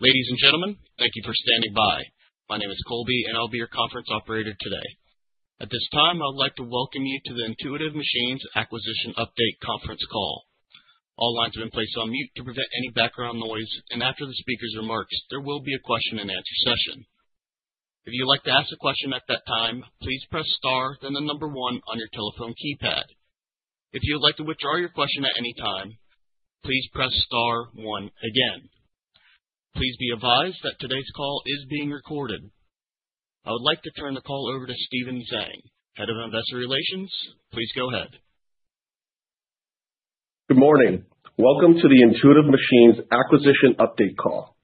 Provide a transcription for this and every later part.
Ladies and gentlemen, thank you for standing by. My name is Colby, and I'll be your conference operator today. At this time, I would like to welcome you to the Intuitive Machines Acquisition Update conference call. All lines have been placed on mute to prevent any background noise, and after the speaker's remarks, there will be a question-and-answer session. If you'd like to ask a question at that time, please press star, then the number one on your telephone keypad. If you would like to withdraw your question at any time, please press star, one, again. Please be advised that today's call is being recorded. I would like to turn the call over to Stephen Zhang, Head of Investor Relations. Please go ahead. Good morning. Welcome to the Intuitive Machines Acquisition Update call.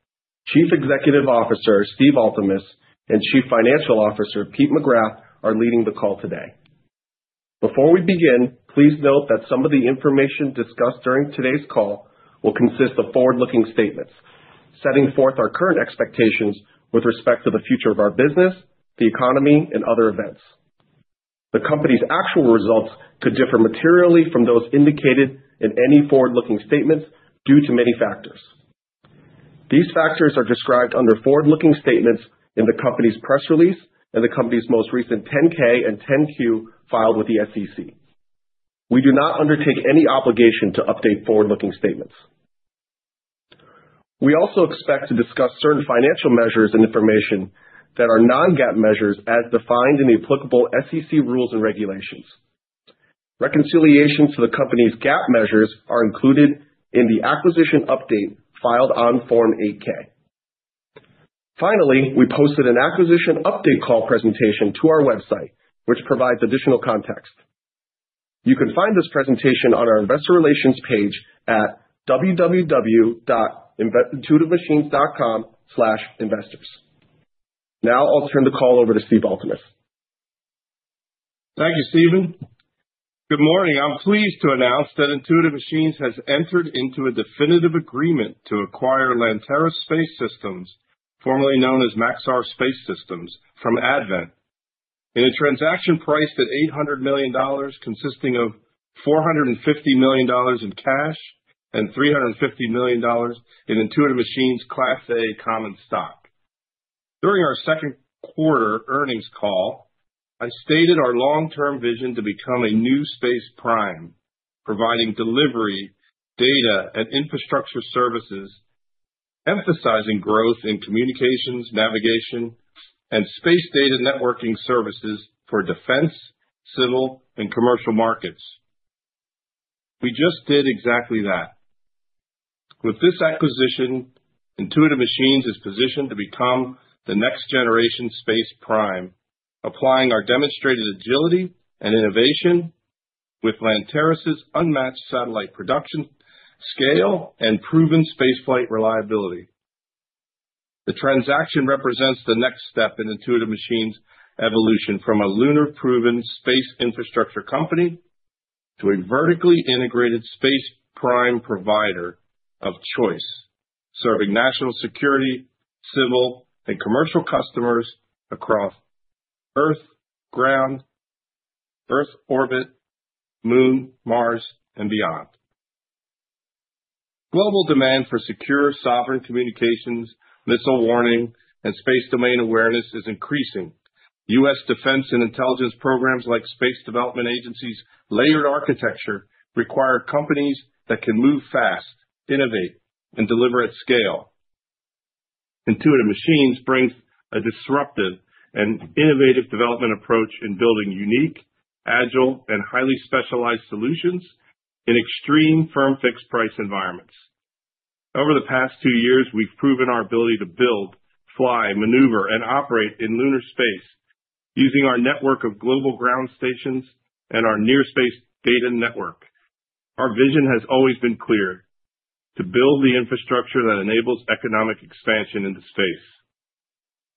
Chief Executive Officer Steve Altemus and Chief Financial Officer Peter McGrath are leading the call today. Before we begin, please note that some of the information discussed during today's call will consist of forward-looking statements setting forth our current expectations with respect to the future of our business, the economy, and other events. The company's actual results could differ materially from those indicated in any forward-looking statements due to many factors. These factors are described under forward-looking statements in the company's press release and the company's most recent 10-K and 10-Q filed with the SEC. We do not undertake any obligation to update forward-looking statements. We also expect to discuss certain financial measures and information that are non-GAAP measures as defined in the applicable SEC rules and regulations. Reconciliations to the company's GAAP measures are included in the acquisition update filed on Form 8-K. Finally, we posted an acquisition update call presentation to our website, which provides additional context. You can find this presentation on our Investor Relations page at www.intuitivemachines.com/investors. Now I'll turn the call over to Steve Altemus. Thank you, Stephen. Good morning. I'm pleased to announce that Intuitive Machines has entered into a definitive agreement to acquire Lanteris Space Systems, formerly known as Maxar Space Systems, from Advent in a transaction priced at $800 million, consisting of $450 million in cash and $350 million in Intuitive Machines Class A common stock. During our second quarter earnings call, I stated our long-term vision to become a new space prime, providing delivery, data, and infrastructure services, emphasizing growth in communications, navigation, and space data networking services for defense, civil, and commercial markets. We just did exactly that. With this acquisition, Intuitive Machines is positioned to become the next-generation space prime, applying our demonstrated agility and innovation with Lantera's unmatched satellite production scale and proven spaceflight reliability. The transaction represents the next step in Intuitive Machines' evolution from a lunar-proven space infrastructure company to a vertically integrated space prime provider of choice, serving national security, civil, and commercial customers across Earth, ground, Earth orbit, Moon, Mars, and beyond. Global demand for secure, sovereign communications, missile warning, and space domain awareness is increasing. US defense and intelligence programs like Space Development Agency's layered architecture require companies that can move fast, innovate, and deliver at scale. Intuitive Machines brings a disruptive and innovative development approach in building unique, agile, and highly specialized solutions in extreme firm-fixed price environments. Over the past two years, we've proven our ability to build, fly, maneuver, and operate in lunar space using our network of global ground stations and our near-space data network. Our vision has always been clear: to build the infrastructure that enables economic expansion into space.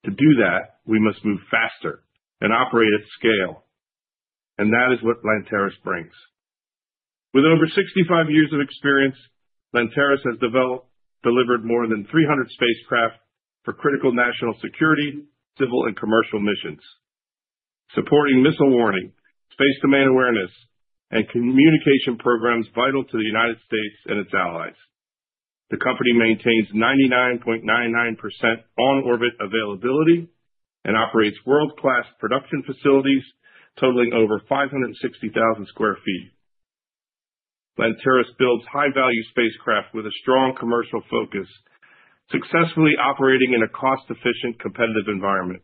To do that, we must move faster and operate at scale, and that is what Lantera brings. With over 65 years of experience, Lantera has delivered more than 300 spacecraft for critical national security, civil, and commercial missions, supporting missile warning, space domain awareness, and communication programs vital to the United States and its allies. The company maintains 99.99% on-orbit availability and operates world-class production facilities totaling over 560,000 sq ft. Lantera builds high-value spacecraft with a strong commercial focus, successfully operating in a cost-efficient, competitive environment.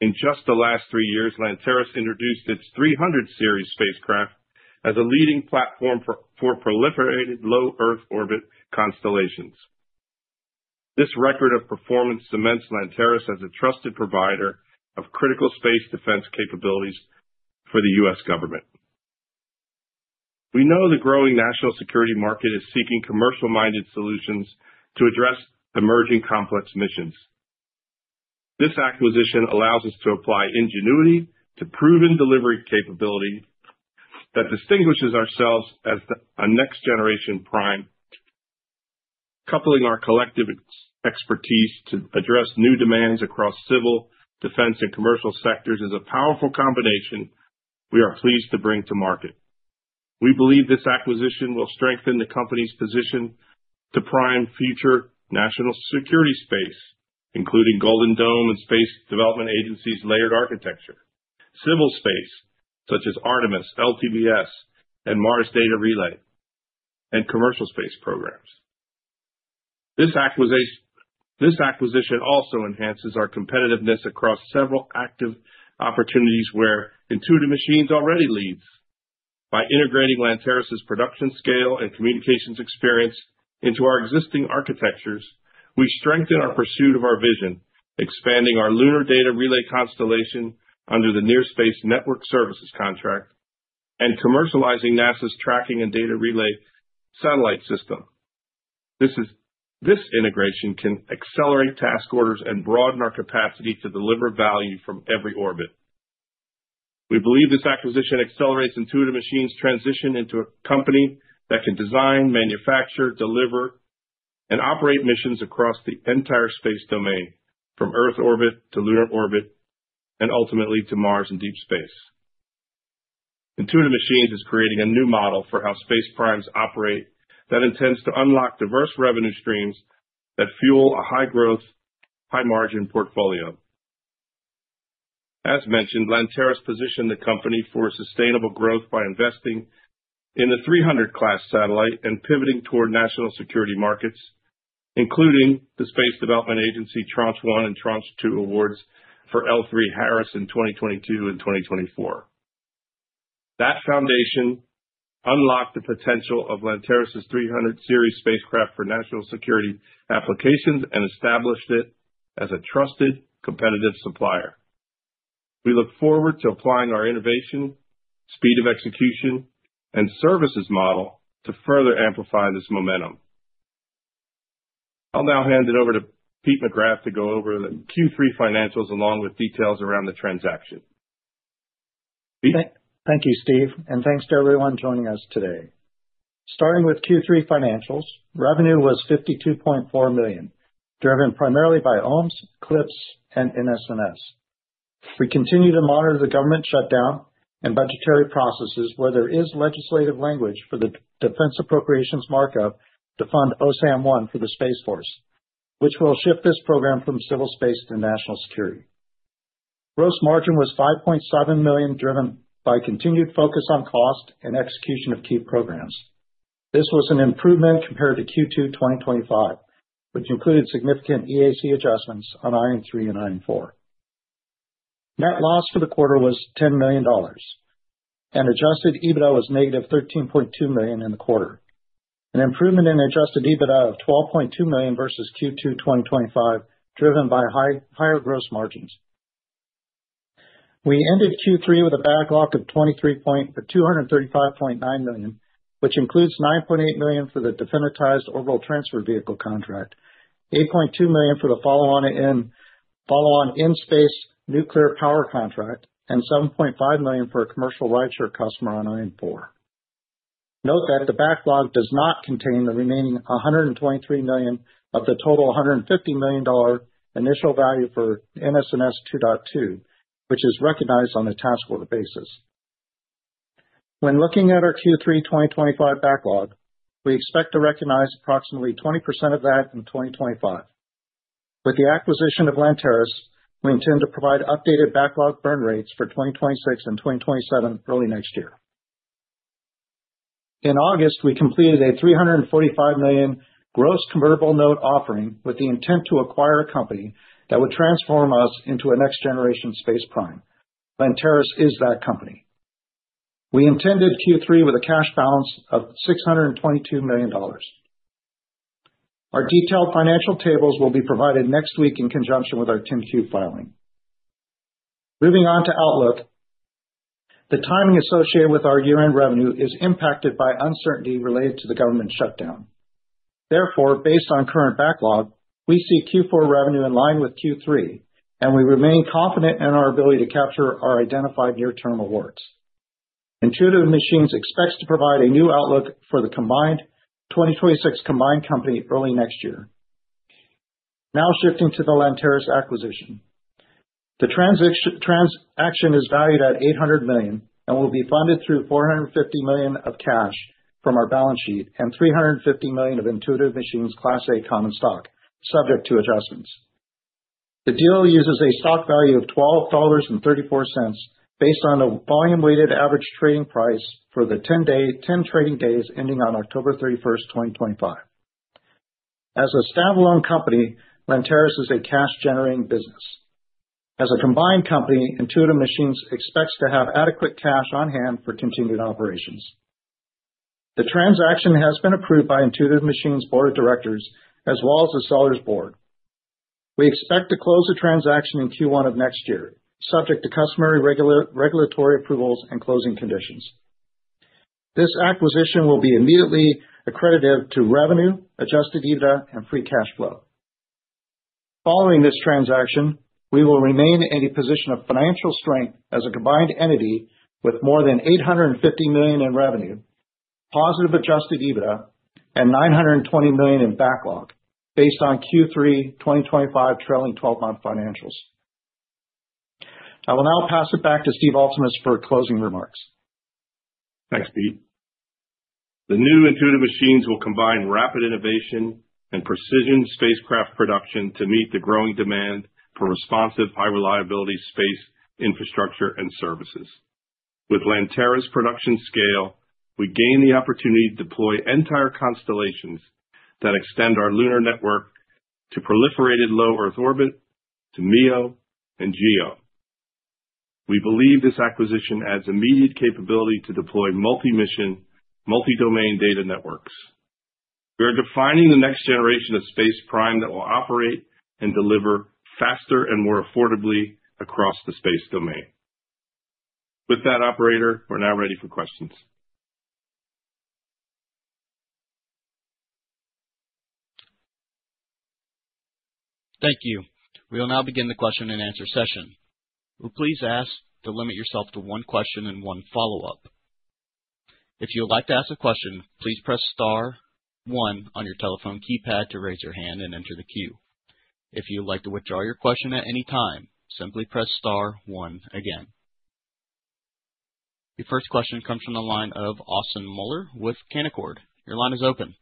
In just the last three years, Lantera introduced its 300 Series spacecraft as a leading platform for proliferated low Earth orbit constellations. This record of performance cements Lantera as a trusted provider of critical space defense capabilities for the U.S. government. We know the growing national security market is seeking commercial-minded solutions to address emerging complex missions. This acquisition allows us to apply ingenuity to proven delivery capability that distinguishes ourselves as a next-generation prime. Coupling our collective expertise to address new demands across civil, defense, and commercial sectors is a powerful combination we are pleased to bring to market. We believe this acquisition will strengthen the company's position to prime future national security space, including Golden Horde and Space Development Agency's layered architecture, civil space such as Artemis, LTVS, and Mars Data Relay, and commercial space programs. This acquisition also enhances our competitiveness across several active opportunities where Intuitive Machines already leads. By integrating Lantera's production scale and communications experience into our existing architectures, we strengthen our pursuit of our vision, expanding our lunar data relay constellation under the Near Space Network Services contract and commercializing NASA's Tracking and Data Relay Satellite System. This integration can accelerate task orders and broaden our capacity to deliver value from every orbit. We believe this acquisition accelerates Intuitive Machines' transition into a company that can design, manufacture, deliver, and operate missions across the entire space domain, from Earth orbit to lunar orbit and ultimately to Mars and deep space. Intuitive Machines is creating a new model for how space primes operate that intends to unlock diverse revenue streams that fuel a high-growth, high-margin portfolio. As mentioned, Lantera's positioned the company for sustainable growth by investing in the 300-class satellite and pivoting toward national security markets, including the Space Development Agency Tranche 1 and Tranche 2 awards for L3Harris in 2022 and 2024. That foundation unlocked the potential of Lantera's 300 Series spacecraft for national security applications and established it as a trusted, competitive supplier. We look forward to applying our innovation, speed of execution, and services model to further amplify this momentum. I'll now hand it over to Peter McGrath to go over the Q3 financials along with details around the transaction. Thank you, Steve, and thanks to everyone joining us today. Starting with Q3 financials, revenue was $52.4 million, driven primarily by OMES, CLPS, and NSNS. We continue to monitor the government shutdown and budgetary processes where there is legislative language for the defense appropriations markup to fund OSAM-1 for the Space Force, which will shift this program from civil space to national security. Gross margin was $5.7 million, driven by continued focus on cost and execution of key programs. This was an improvement compared to Q2 2025, which included significant EAC adjustments on IM-3 and IM-4. Net loss for the quarter was $10 million, and adjusted EBITDA was negative $13.2 million in the quarter, an improvement in adjusted EBITDA of $12.2 million versus Q2 2025, driven by higher gross margins. We ended Q3 with a backlog of $232.5 million, which includes $9.8 million for the definitized Orbital Transfer Vehicle contract, $8.2 million for the follow-on in-space nuclear power contract, and $7.5 million for a commercial rideshare customer on IM-4. Note that the backlog does not contain the remaining $123 million of the total $150 million initial value for NSNS 2.2, which is recognized on a task order basis. When looking at our Q3 2025 backlog, we expect to recognize approximately 20% of that in 2025. With the acquisition of Lantera, we intend to provide updated backlog burn rates for 2026 and 2027 early next year. In August, we completed a $345 million gross convertible note offering with the intent to acquire a company that would transform us into a next-generation space prime. Lantera is that company. We entered Q3 with a cash balance of $622 million. Our detailed financial tables will be provided next week in conjunction with our 10-Q filing. Moving on to Outlook, the timing associated with our year-end revenue is impacted by uncertainty related to the government shutdown. Therefore, based on current backlog, we see Q4 revenue in line with Q3, and we remain confident in our ability to capture our identified near-term awards. Intuitive Machines expects to provide a new outlook for the 2026 combined company early next year. Now shifting to the Lantera acquisition, the transaction is valued at $800 million and will be funded through $450 million of cash from our balance sheet and $350 million of Intuitive Machines Class A common stock, subject to adjustments. The deal uses a stock value of $12.34 based on the volume-weighted average trading price for the 10 trading days ending on October 31st, 2025. As a standalone company, Lantera is a cash-generating business. As a combined company, Intuitive Machines expects to have adequate cash on hand for continued operations. The transaction has been approved by Intuitive Machines' board of directors as well as the sellers' board. We expect to close the transaction in Q1 of next year, subject to customary regulatory approvals and closing conditions. This acquisition will be immediately accretive to revenue, Adjusted EBITDA, and free cash flow. Following this transaction, we will remain in a position of financial strength as a combined entity with more than $850 million in revenue, positive Adjusted EBITDA, and $920 million in backlog based on Q3 2025 trailing 12-month financials. I will now pass it back to Steve Altemus for closing remarks. Thanks, Peter. The new Intuitive Machines will combine rapid innovation and precision spacecraft production to meet the growing demand for responsive, high-reliability space infrastructure and services. With Lantera's production scale, we gain the opportunity to deploy entire constellations that extend our lunar network to proliferated low Earth orbit, to MEO, and GEO. We believe this acquisition adds immediate capability to deploy multi-mission, multi-domain data networks. We are defining the next generation of space prime that will operate and deliver faster and more affordably across the space domain. With that, operator, we're now ready for questions. Thank you. We will now begin the question and answer session. Please ask to limit yourself to one question and one follow-up. If you would like to ask a question, please press star one on your telephone keypad to raise your hand and enter the queue. If you would like to withdraw your question at any time, simply press star one again. Your first question comes from the line of Austin Moeller with Canaccord. Your line is open.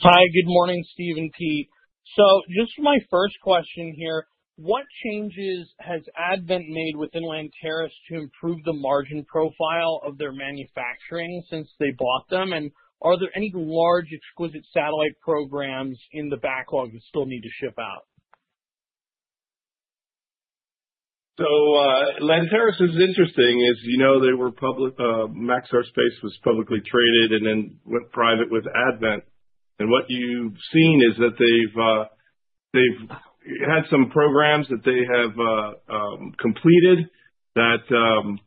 Hi, good morning, Steve and Peter. So just my first question here, what changes has Advent made within Lantera to improve the margin profile of their manufacturing since they bought them? And are there any large, exquisite satellite programs in the backlog that still need to ship out? So, Lantera is interesting, as you know. They were public. Maxar Space was publicly traded and then went private with Advent. And what you've seen is that they've had some programs that they have completed that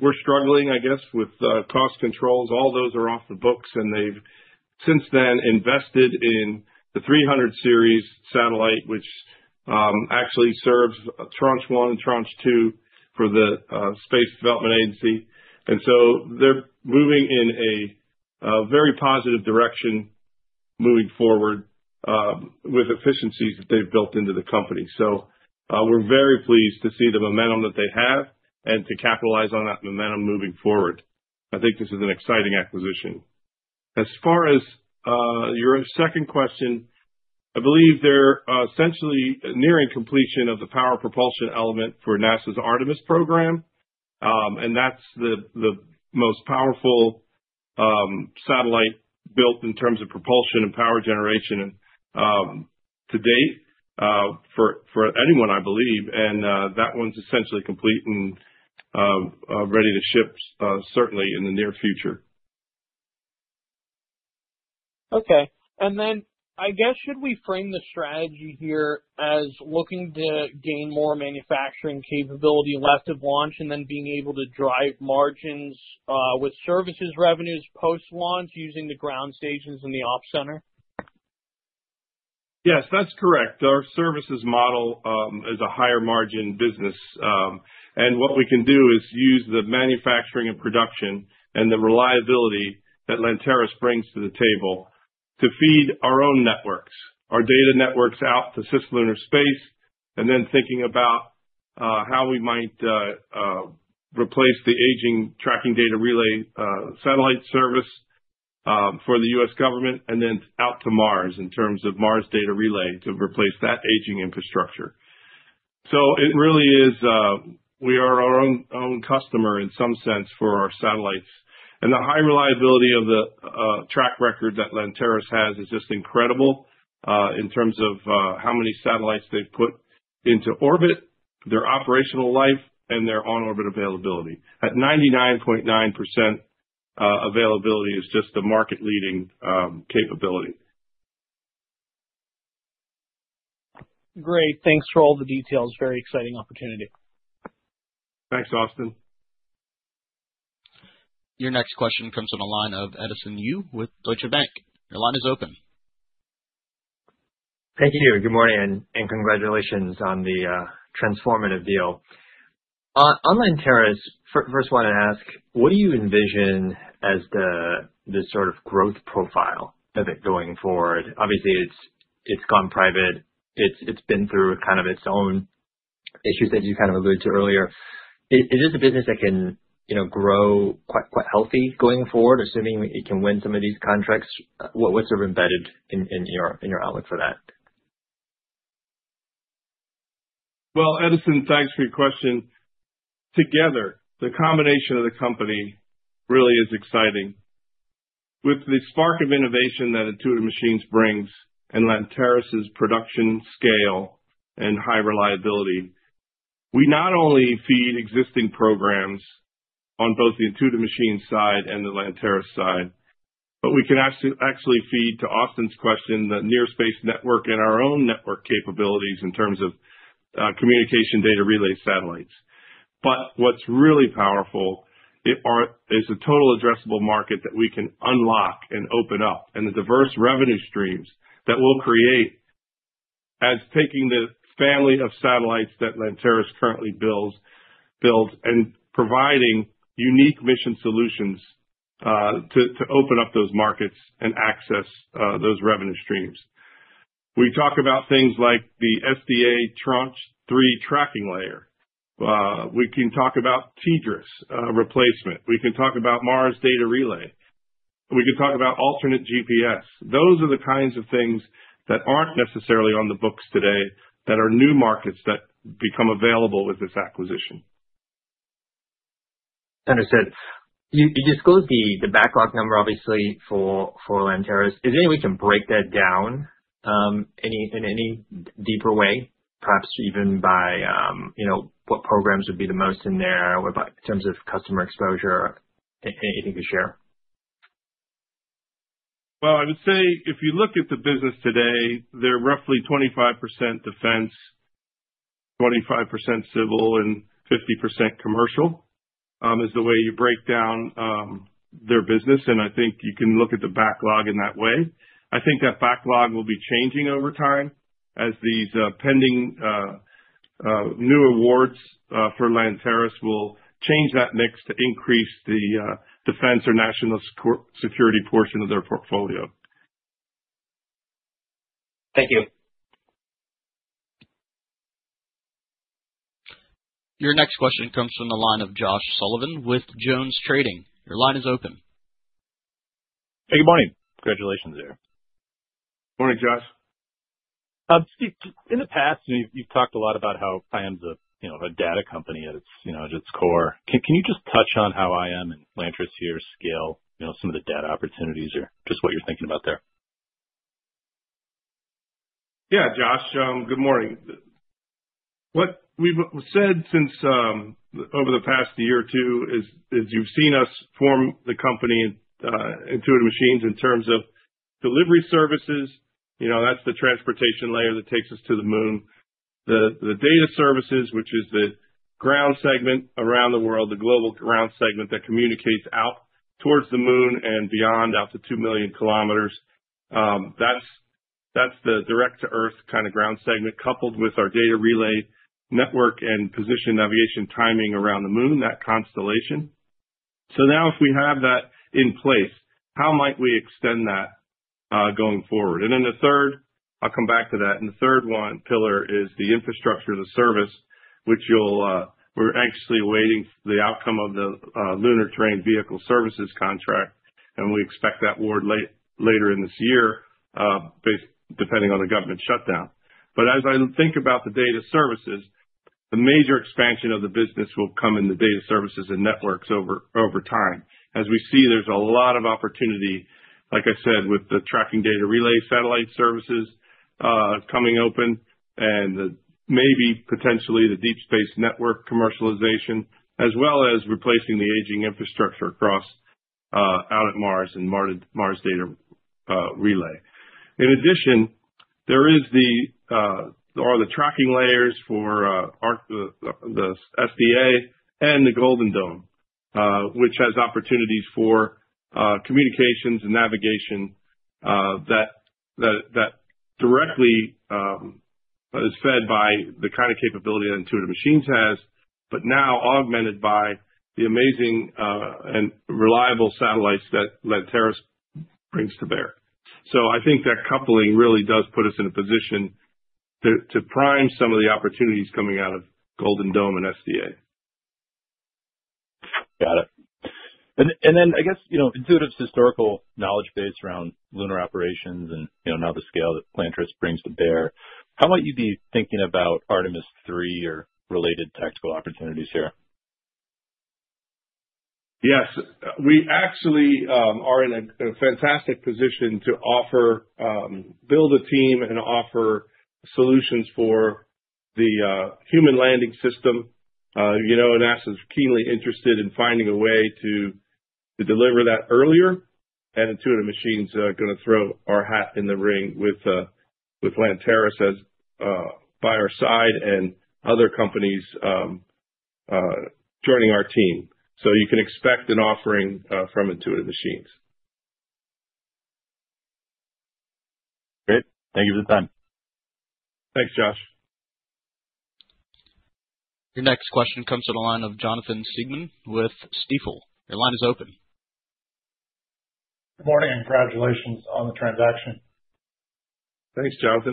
were struggling, I guess, with cost controls. All those are off the books. And they've since then invested in the 300 Series satellite, which actually serves Tranche one and Tranche two for the Space Development Agency. And so they're moving in a very positive direction moving forward with efficiencies that they've built into the company. So we're very pleased to see the momentum that they have and to capitalize on that momentum moving forward. I think this is an exciting acquisition. As far as your second question, I believe they're essentially nearing completion of the power propulsion element for NASA's Artemis program. That's the most powerful satellite built in terms of propulsion and power generation to date for anyone, I believe. That one's essentially complete and ready to ship certainly in the near future. Okay. And then I guess should we frame the strategy here as looking to gain more manufacturing capability left of launch and then being able to drive margins with services revenues post-launch using the ground stations and the ops center? Yes, that's correct. Our services model is a higher margin business, and what we can do is use the manufacturing and production and the reliability that Lantera brings to the table to feed our own networks, our data networks out to cislunar space, and then thinking about how we might replace the aging Tracking and Data Relay Satellite service for the U.S. government and then out to Mars in terms of Mars data relay to replace that aging infrastructure, so it really is we are our own customer in some sense for our satellites, and the high reliability of the track record that Lantera has is just incredible in terms of how many satellites they've put into orbit, their operational life, and their on-orbit availability at 99.9% availability is just the market-leading capability. Great. Thanks for all the details. Very exciting opportunity. Thanks, Austin. Your next question comes from the line of Edison Yu with Deutsche Bank. Your line is open. Thank you. Good morning, and congratulations on the transformative deal. On Lantera, first want to ask, what do you envision as the sort of growth profile of it going forward? Obviously, it's gone private. It's been through kind of its own issues that you kind of alluded to earlier. It is a business that can grow quite healthy going forward, assuming it can win some of these contracts. What's sort of embedded in your outlook for that? Edison, thanks for your question. Together, the combination of the company really is exciting. With the spark of innovation that Intuitive Machines brings and Lantera's production scale and high reliability, we not only feed existing programs on both the Intuitive Machines side and the Lanteris, but we can actually feed, to Austin's question, the Near Space Network and our own network capabilities in terms of communication data relay satellites. But what's really powerful is a total addressable market that we can unlock and open up and the diverse revenue streams that we'll create as taking the family of satellites that Lanteris currently builds and providing unique mission solutions to open up those markets and access those revenue streams. We talk about things like the SDA Tranche three Tracking Layer. We can talk about TDRS replacement. We can talk about Mars data relay. We can talk about alternate GPS. Those are the kinds of things that aren't necessarily on the books today that are new markets that become available with this acquisition. Understood. You disclosed the backlog number, obviously, for Lantera. Is there any way we can break that down in any deeper way, perhaps even by what programs would be the most in there in terms of customer exposure? Anything to share? I would say if you look at the business today, they're roughly 25% defense, 25% civil, and 50% commercial is the way you break down their business. I think you can look at the backlog in that way. I think that backlog will be changing over time as these pending new awards for Lantera will change that mix to increase the defense or national security portion of their portfolio. Thank you. Your next question comes from the line of Josh Sullivan with The Benchmark Company. Your line is open. Hey, good morning. Congratulations there. Morning, Josh. In the past, you've talked a lot about how IM is a data company at its core. Can you just touch on how IM and Lantera can scale some of the data opportunities or just what you're thinking about there? Yeah, Josh, good morning. What we've said over the past year or two is you've seen us form the company Intuitive Machines in terms of delivery services. That's the transportation layer that takes us to the moon. The data services, which is the ground segment around the world, the global ground segment that communicates out towards the moon and beyond out to two million kilometers. That's the direct-to-earth kind of ground segment coupled with our data relay network and position navigation timing around the moon, that constellation. So now if we have that in place, how might we extend that going forward? And then the third, I'll come back to that. And the third one pillar is the infrastructure of the service, which we're anxiously awaiting the outcome of the lunar terrain vehicle services contract. And we expect that award later in this year depending on the government shutdown. But as I think about the data services, the major expansion of the business will come in the data services and networks over time. As we see, there's a lot of opportunity, like I said, with the Tracking and Data Relay satellite services coming open and maybe potentially the Deep Space Network commercialization, as well as replacing the aging infrastructure across out at Mars and Mars data relay. In addition, there are the Tracking Layers for the SDA and the Golden Horde, which has opportunities for communications and navigation that directly is fed by the kind of capability that Intuitive Machines has, but now augmented by the amazing and reliable satellites that Lantera brings to bear. So I think that coupling really does put us in a position to prime some of the opportunities coming out of Golden Horde and SDA. Got it. And then I guess Intuitive's historical knowledge base around lunar operations and now the scale that Lantera brings to bear, how might you be thinking about Artemis III or related tactical opportunities here? Yes. We actually are in a fantastic position to build a team and offer solutions for the Human Landing System. NASA is keenly interested in finding a way to deliver that earlier, and Intuitive Machines are going to throw our hat in the ring with Lantera by our side and other companies joining our team, so you can expect an offering from Intuitive Machines. Great. Thank you for the time. Thanks, Josh. Your next question comes from the line of Jonathan Siegman with Stifel. Your line is open. Good morning and congratulations on the transaction. Thanks, Jonathan.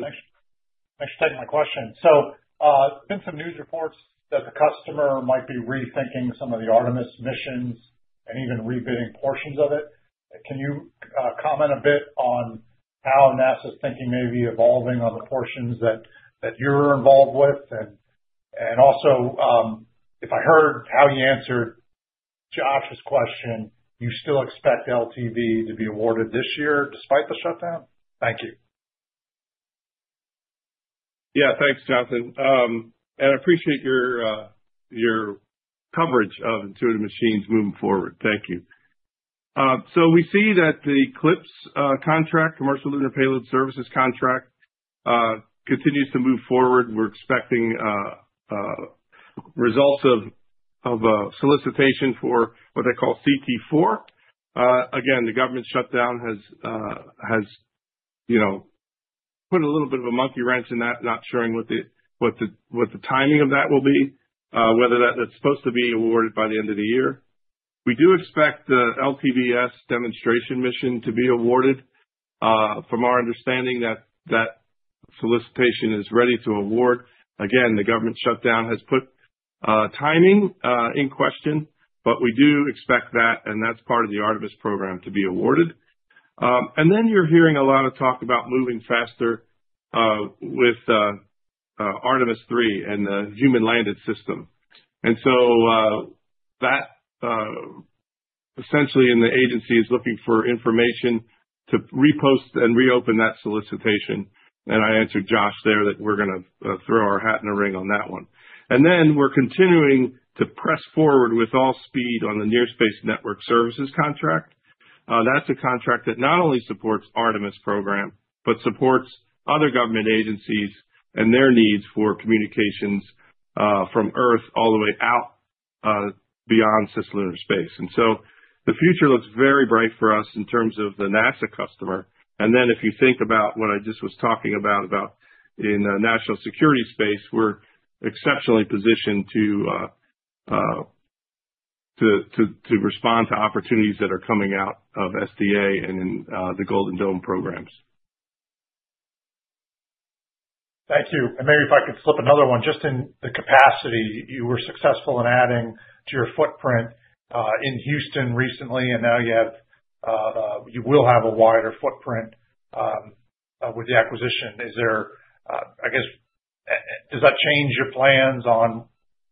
Thanks for taking my question. So there's been some news reports that the customer might be rethinking some of the Artemis missions and even rebidding portions of it. Can you comment a bit on how NASA's thinking may be evolving on the portions that you're involved with? And also, if I heard how you answered Josh's question, you still expect LTV to be awarded this year despite the shutdown? Thank you. Yeah, thanks, Jonathan. I appreciate your coverage of Intuitive Machines moving forward. Thank you. We see that the CLPS contract, commercial lunar payload services contract, continues to move forward. We're expecting results of a solicitation for what they call CP4. Again, the government shutdown has put a little bit of a monkey wrench in that, not showing what the timing of that will be, whether that's supposed to be awarded by the end of the year. We do expect the LTVS demonstration mission to be awarded. From our understanding, that solicitation is ready to award. Again, the government shutdown has put timing in question, but we do expect that, and that's part of the Artemis program to be awarded. You're hearing a lot of talk about moving faster with Artemis III and the Human Landing System. And so the agency essentially is looking for information to repost and reopen that solicitation. And I answered Josh there that we're going to throw our hat in the ring on that one. And then we're continuing to press forward with all speed on the Near Space Network Services contract. That's a contract that not only supports the Artemis program, but supports other government agencies and their needs for communications from Earth all the way out beyond cislunar space. And so the future looks very bright for us in terms of the NASA customer. And then if you think about what I just was talking about in the national security space, we're exceptionally positioned to respond to opportunities that are coming out of SDA and in the Golden Horde programs. Thank you. And maybe if I could flip another one. Just in the capacity, you were successful in adding to your footprint in Houston recently, and now you will have a wider footprint with the acquisition. I guess, does that change your plans on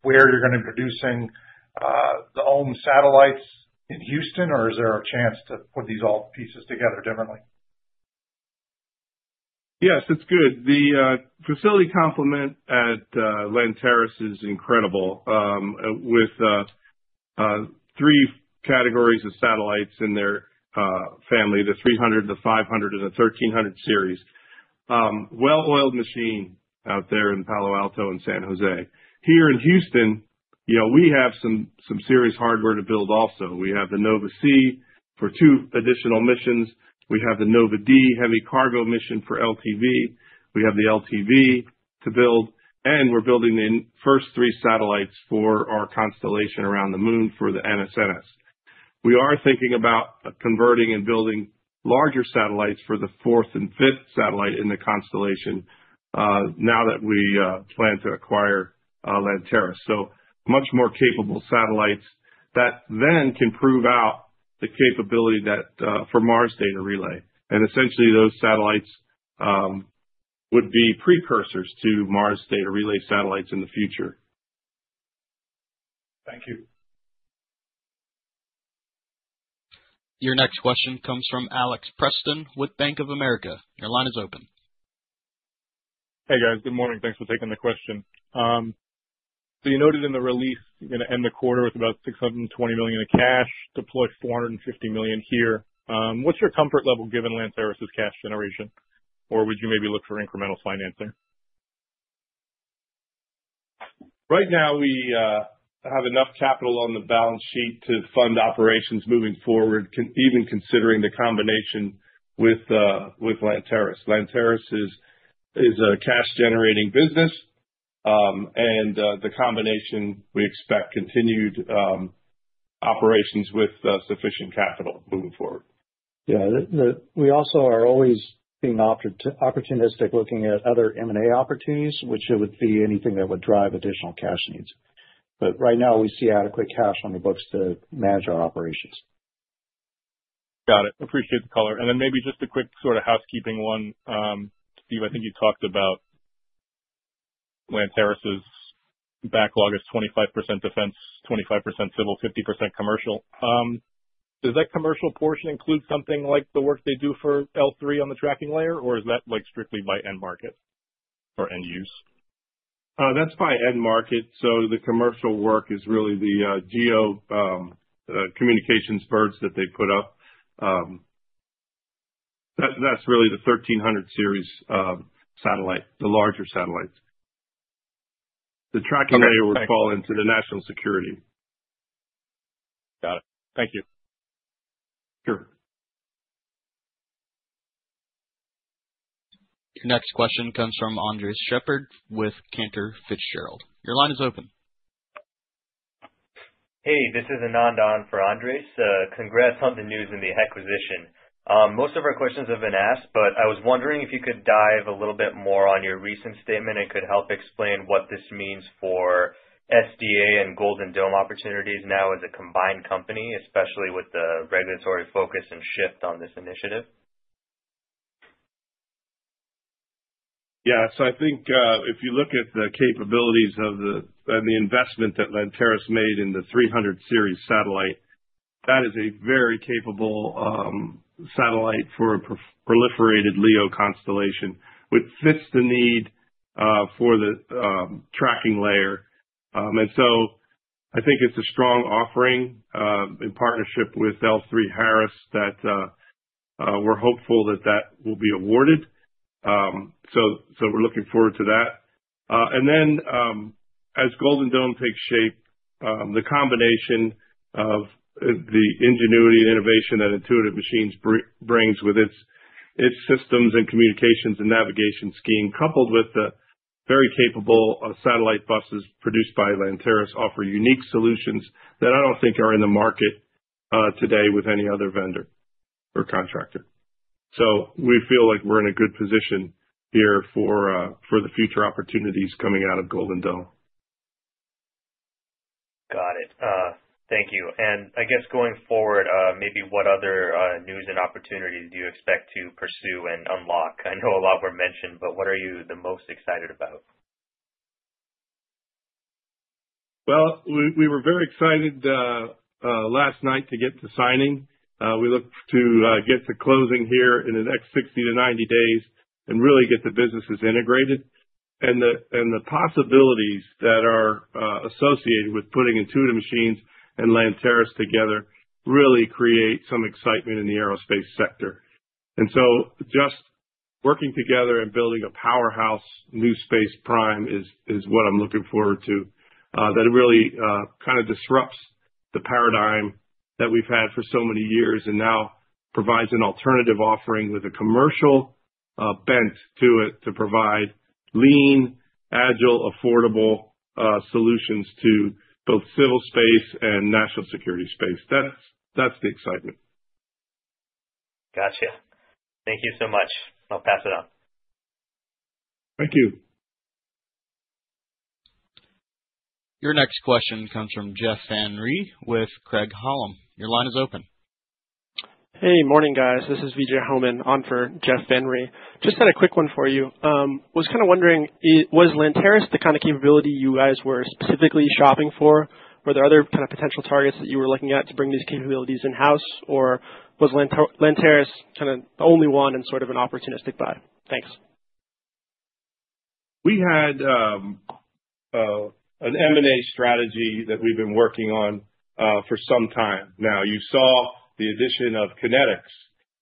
where you're going to be producing your own satellites in Houston, or is there a chance to put all these pieces together differently? Yes, it's good. The facility complement at Lantera is incredible with three categories of satellites in their family, the 300, the 500, and the 1300 Series. Well-oiled machine out there in Palo Alto and San Jose. Here in Houston, we have some serious hardware to build also. We have the Nova-C for two additional missions. We have the Nova-D heavy cargo mission for LTV. We have the LTV to build, and we're building the first three satellites for our constellation around the Moon for the NSNS. We are thinking about converting and building larger satellites for the fourth and fifth satellite in the constellation now that we plan to acquire Lantera, so much more capable satellites that then can prove out the capability for Mars data relay, and essentially, those satellites would be precursors to Mars data relay satellites in the future. Thank you. Your next question comes from Alexander Perry with Bank of America. Your line is open. Hey, guys. Good morning. Thanks for taking the question. So you noted in the release you're going to end the quarter with about $620 million in cash, deploy $450 million here. What's your comfort level given Lantera's cash generation, or would you maybe look for incremental financing? Right now, we have enough capital on the balance sheet to fund operations moving forward, even considering the combination with Lantera. Lantera is a cash-generating business, and the combination, we expect continued operations with sufficient capital moving forward. Yeah. We also are always being opportunistic looking at other M&A opportunities, which would be anything that would drive additional cash needs. But right now, we see adequate cash on the books to manage our operations. Got it. Appreciate the color. And then maybe just a quick sort of housekeeping one. Steve, I think you talked about Lantera's backlog as 25% defense, 25% civil, 50% commercial. Does that commercial portion include something like the work they do for L3 on the Tracking Layer, or is that strictly by end market or end use? That's by end market. So the commercial work is really the GEO communications birds that they put up. That's really the 1300 Series satellite, the larger satellites. The Tracking Layer would fall into the national security. Got it. Thank you. Your next question comes from Andres Sheppard with Cantor Fitzgerald. Your line is open. Hey, this is Anandan for Andres. Congrats on the news and the acquisition. Most of our questions have been asked, but I was wondering if you could dive a little bit more on your recent statement and could help explain what this means for SDA and Golden Horde opportunities now as a combined company, especially with the regulatory focus and shift on this initiative. Yeah. So I think if you look at the capabilities and the investment that Lantera's made in the 300 Series satellite, that is a very capable satellite for a proliferated LEO constellation, which fits the need for the Tracking Layer. And so I think it's a strong offering in partnership with L3Harris that we're hopeful that that will be awarded. So we're looking forward to that. And then as Golden Horde takes shape, the combination of the ingenuity and innovation that Intuitive Machines brings with its systems and communications and navigation scheme, coupled with the very capable satellite buses produced by Lantera, offers unique solutions that I don't think are in the market today with any other vendor or contractor. So we feel like we're in a good position here for the future opportunities coming out of Golden Horde. Got it. Thank you. And I guess going forward, maybe what other news and opportunities do you expect to pursue and unlock? I know a lot were mentioned, but what are you the most excited about? We were very excited last night to get to signing. We look to get to closing here in the next 60-90 days and really get the businesses integrated. The possibilities that are associated with putting Intuitive Machines and Lantera together really create some excitement in the aerospace sector. So just working together and building a powerhouse new space prime is what I'm looking forward to. That really kind of disrupts the paradigm that we've had for so many years and now provides an alternative offering with a commercial bent to it to provide lean, agile, affordable solutions to both civil space and national security space. That's the excitement. Gotcha. Thank you so much. I'll pass it on. Thank you. Your next question comes from Jeff Van Rhee with Craig-Hallum. Your line is open. Hey, morning, guys. This is Vijay Homan on for Jeff Van Rhee. Just had a quick one for you. I was kind of wondering, was Lantera the kind of capability you guys were specifically shopping for? Were there other kind of potential targets that you were looking at to bring these capabilities in-house, or was Lantera kind of the only one and sort of an opportunistic buy? Thanks. We had an M&A strategy that we've been working on for some time now. You saw the addition of KinetX,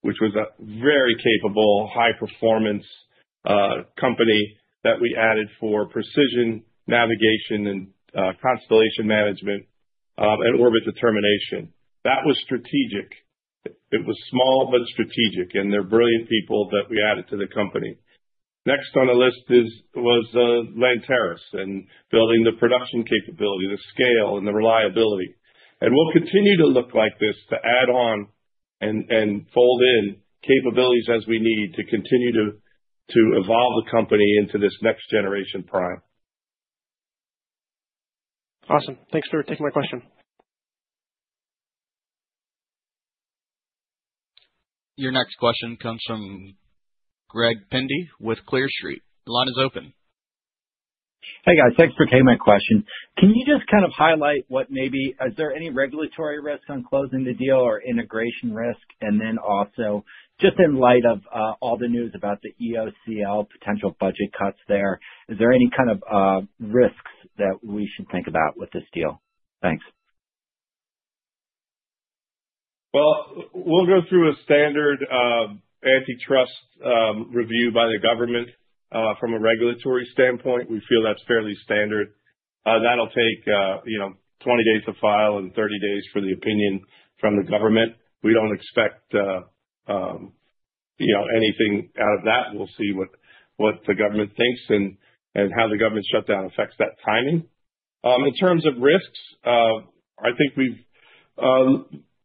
which was a very capable, high-performance company that we added for precision navigation and constellation management and orbit determination. That was strategic. It was small, but strategic, and they're brilliant people that we added to the company. Next on the list was Lantera and building the production capability, the scale, and the reliability, and we'll continue to look like this to add on and fold in capabilities as we need to continue to evolve the company into this next generation prime. Awesome. Thanks for taking my question. Your next question comes from Greg Pendy with Chardan. The line is open. Hey, guys. Thanks for taking my question. Can you just kind of highlight what maybe is there any regulatory risk on closing the deal or integration risk, and then also, just in light of all the news about the EOCL potential budget cuts there, is there any kind of risks that we should think about with this deal? Thanks. We'll go through a standard antitrust review by the government from a regulatory standpoint. We feel that's fairly standard. That'll take 20 days to file and 30 days for the opinion from the government. We don't expect anything out of that. We'll see what the government thinks and how the government shutdown affects that timing. In terms of risks, I think we've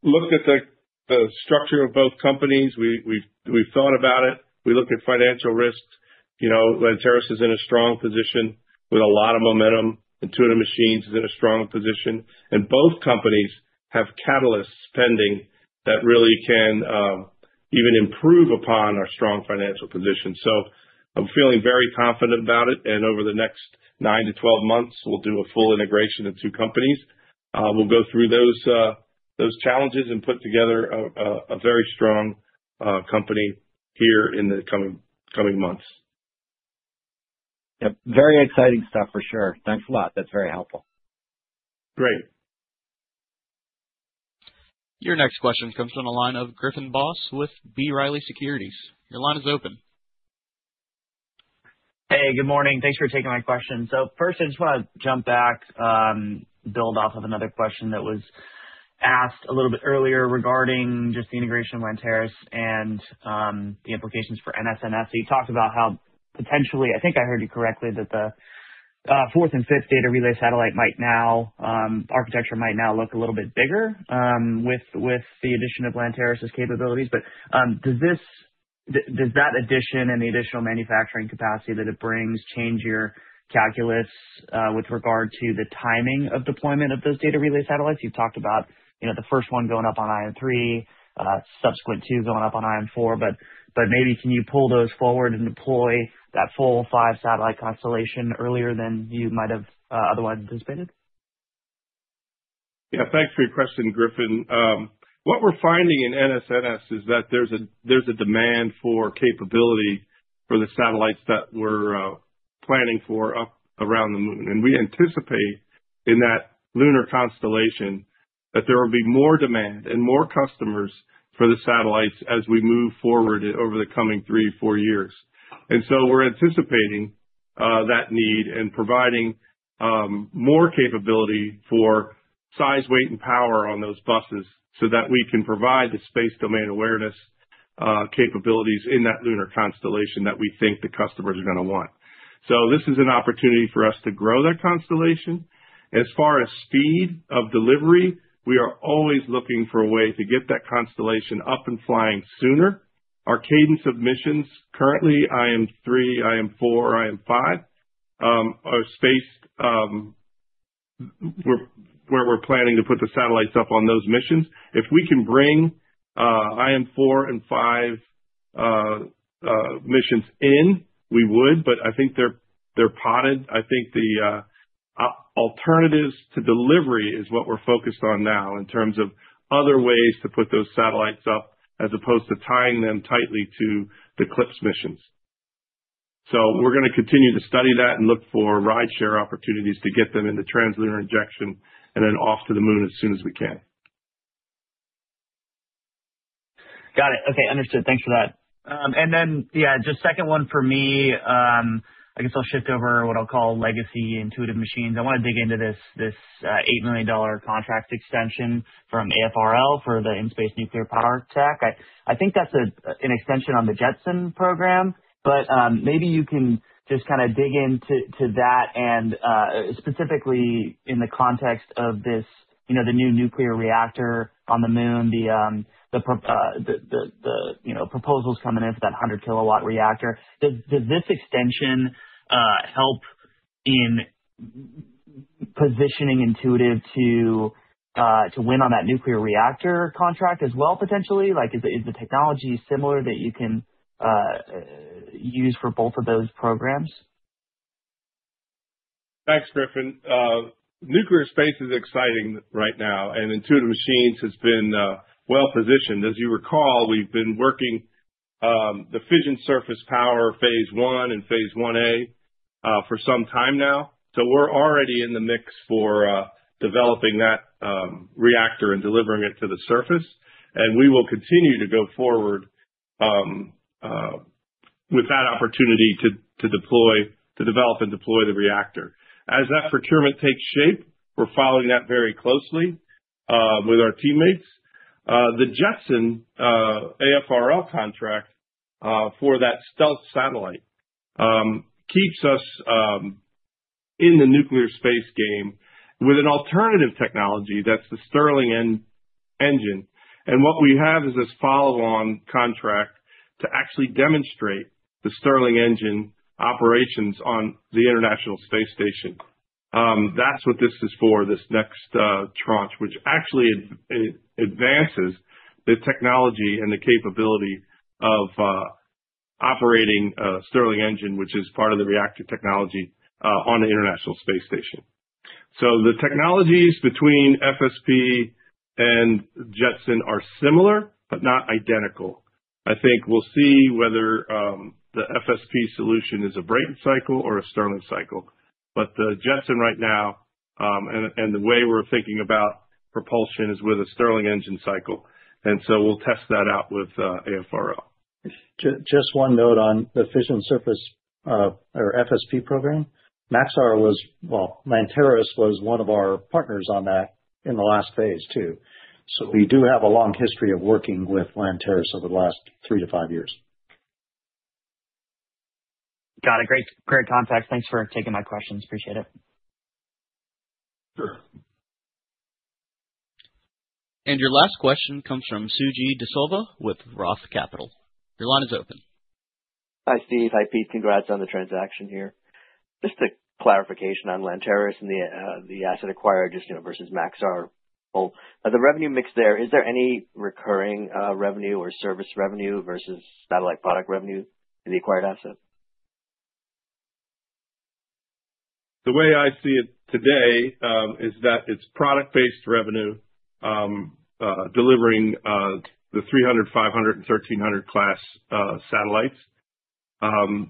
looked at the structure of both companies. We've thought about it. We look at financial risks. Lantera is in a strong position with a lot of momentum. Intuitive Machines is in a strong position, and both companies have catalysts pending that really can even improve upon our strong financial position, so I'm feeling very confident about it, and over the next nine to 12 months, we'll do a full integration of two companies. We'll go through those challenges and put together a very strong company here in the coming months. Yep. Very exciting stuff for sure. Thanks a lot. That's very helpful. Great. Your next question comes from the line of Griffin Boss with B. Riley Securities. Your line is open. Hey, good morning. Thanks for taking my question. So first, I just want to jump back, build off of another question that was asked a little bit earlier regarding just the integration of Lantera and the implications for NSNS. So you talked about how potentially, I think I heard you correctly, that the fourth and fifth data relay satellite architecture might now look a little bit bigger with the addition of Lantera's capabilities. But does that addition and the additional manufacturing capacity that it brings change your calculus with regard to the timing of deployment of those data relay satellites? You've talked about the first one going up on IM3, subsequent two going up on IM4, but maybe can you pull those forward and deploy that full five satellite constellation earlier than you might have otherwise anticipated? Yeah. Thanks for your question, Griffin. What we're finding in NSNS is that there's a demand for capability for the satellites that we're planning for up around the Moon. And we anticipate in that lunar constellation that there will be more demand and more customers for the satellites as we move forward over the coming three, four years. And so we're anticipating that need and providing more capability for size, weight, and power on those buses so that we can provide the space domain awareness capabilities in that lunar constellation that we think the customers are going to want. So this is an opportunity for us to grow that constellation. As far as speed of delivery, we are always looking for a way to get that constellation up and flying sooner. Our cadence of missions currently, IM3, IM4, IM5 are spaced where we're planning to put the satellites up on those missions. If we can bring IM4 and five missions in, we would, but I think they're potted. I think the alternatives to delivery is what we're focused on now in terms of other ways to put those satellites up as opposed to tying them tightly to the CLPS missions. So we're going to continue to study that and look for rideshare opportunities to get them into trans-lunar injection and then off to the Moon as soon as we can. Got it. Okay. Understood. Thanks for that. And then, yeah, just second one for me, I guess I'll shift over what I'll call legacy Intuitive Machines. I want to dig into this $8 million contract extension from AFRL for the in-space nuclear power tech. I think that's an extension on the JETSON program, but maybe you can just kind of dig into that. And specifically in the context of the new nuclear reactor on the moon, the proposals coming in for that 100-kW reactor, does this extension help in positioning Intuitive to win on that nuclear reactor contract as well potentially? Is the technology similar that you can use for both of those programs? Thanks, Griffin. Nuclear space is exciting right now, and Intuitive Machines has been well positioned. As you recall, we've been working the Fission Surface Power phase one and phase one A for some time now. So we're already in the mix for developing that reactor and delivering it to the surface. And we will continue to go forward with that opportunity to develop and deploy the reactor. As that procurement takes shape, we're following that very closely with our teammates. The JETSON AFRL contract for that stealth satellite keeps us in the nuclear space game with an alternative technology that's the Stirling engine. And what we have is this follow-on contract to actually demonstrate the Stirling engine operations on the International Space Station. That's what this is for, this next tranche, which actually advances the technology and the capability of operating a Stirling engine, which is part of the reactor technology on the International Space Station, so the technologies between FSP and JETSON are similar, but not identical. I think we'll see whether the FSP solution is a Brayton cycle or a Stirling cycle, but the JETSON right now and the way we're thinking about propulsion is with a Stirling engine cycle, and so we'll test that out with AFRL. Just one note on the Fission Surface Power or FSP program. Maxar was, well, Lantera was one of our partners on that in the last phase too. So we do have a long history of working with Lantera over the last three to five years. Got it. Great. Great context. Thanks for taking my questions. Appreciate it. Sure. And your last question comes from Suji Desilva with ROTH Capital. Your line is open. Hi, Steve. Hi, Peter. Congrats on the transaction here. Just a clarification on Lantera and the asset acquired just versus Maxar. The revenue mix there, is there any recurring revenue or service revenue versus satellite product revenue in the acquired asset? The way I see it today is that it's product-based revenue delivering the 300, 500, and 1300 class satellites.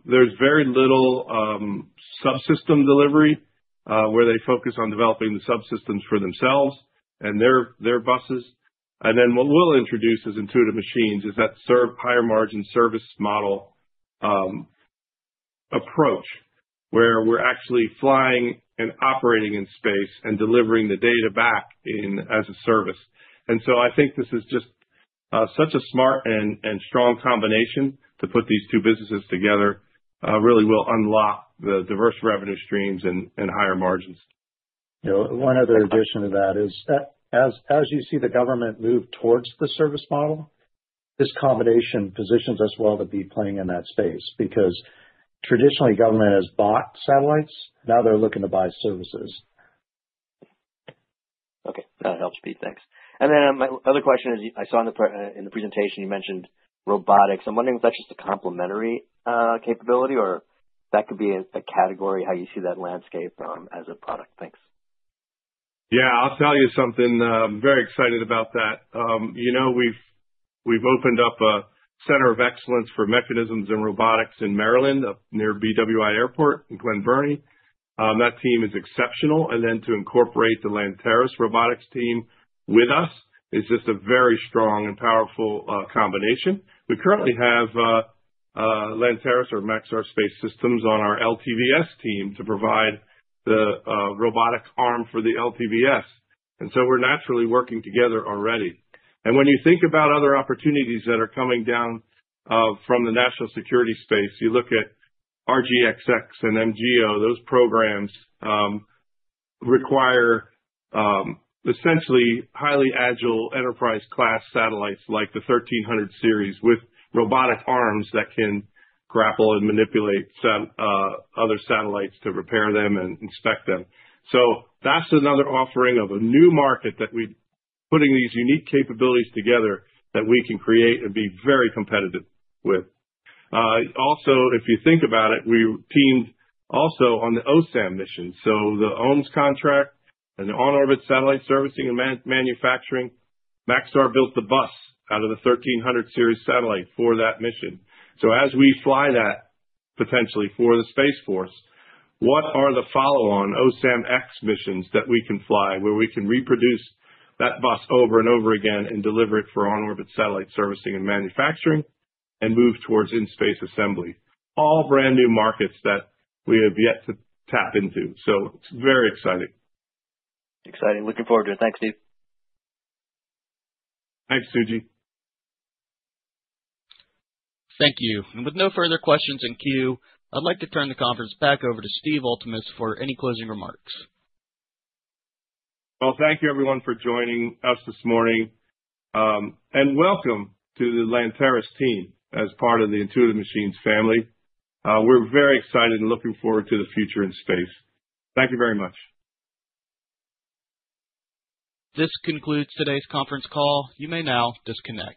There's very little subsystem delivery where they focus on developing the subsystems for themselves and their buses. And then what we'll introduce as Intuitive Machines is that serve higher margin service model approach where we're actually flying and operating in space and delivering the data back as a service. And so I think this is just such a smart and strong combination to put these two businesses together really will unlock the diverse revenue streams and higher margins. One other addition to that is, as you see the government move towards the service model, this combination positions us well to be playing in that space because traditionally government has bought satellites. Now they're looking to buy services. Okay. That helps, Peter. Thanks. And then my other question is, I saw in the presentation you mentioned robotics. I'm wondering if that's just a complementary capability or that could be a category how you see that landscape as a product. Thanks. Yeah. I'll tell you something. I'm very excited about that. We've opened up a center of excellence for mechanisms and robotics in Maryland near BWI Airport in Glen Burnie. That team is exceptional. And then to incorporate the Lantera robotics team with us is just a very strong and powerful combination. We currently have Lantera or Maxar Space Systems on our LTVS team to provide the robotic arm for the LTVS. And so we're naturally working together already. And when you think about other opportunities that are coming down from the national security space, you look at RSGS and MRV. Those programs require essentially highly agile enterprise-class satellites like the 1300 Series with robotic arms that can grapple and manipulate other satellites to repair them and inspect them. So that's another offering of a new market that we're putting these unique capabilities together that we can create and be very competitive with. Also, if you think about it, we teamed also on the OSAM mission. So the OMES contract and the on-orbit satellite servicing and manufacturing, Maxar built the bus out of the 1300 Series satellite for that mission. So as we fly that potentially for the Space Force, what are the follow-on OSAM X missions that we can fly where we can reproduce that bus over and over again and deliver it for on-orbit satellite servicing and manufacturing and move towards in-space assembly? All brand new markets that we have yet to tap into. So it's very exciting. Exciting. Looking forward to it. Thanks, Steve. Thanks, Suji. Thank you. And with no further questions in queue, I'd like to turn the conference back over to Steve Altemus for any closing remarks. Thank you, everyone, for joining us this morning. Welcome to the Lantera team as part of the Intuitive Machines family. We're very excited and looking forward to the future in space. Thank you very much. This concludes today's conference call. You may now disconnect.